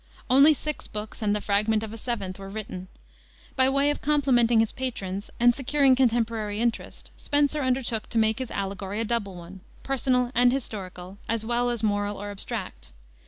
Only six books and the fragment of a seventh were written. By way of complimenting his patrons and securing contemporary interest, Spenser undertook to make his allegory a double one, personal and historical, as well as moral or abstract.